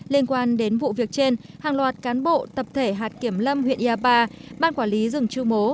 liên quan đến vụ việc trên hàng loạt cán bộ tập thể hạt kiểm lâm huyện ia ba ban quản lý rừng trư mố